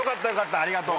ありがとう。